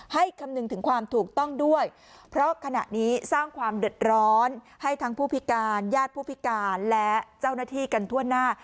คำนึงถึงความถูกต้องด้วยเพราะขณะนี้สร้างความเดือดร้อนให้ทั้งผู้พิการญาติผู้พิการและเจ้าหน้าที่กันทั่วหน้า